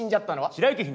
白雪姫。